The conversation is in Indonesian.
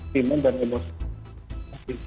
semen dan emosi